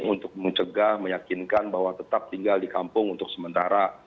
untuk mencegah meyakinkan bahwa tetap tinggal di kampung untuk sementara